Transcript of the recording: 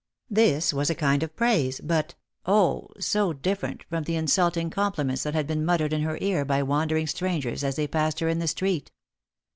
This was a kind of praise, but, 0, so different from the insulting compli ments that had been muttered in her ear by wandering strangers as they passed her in the street.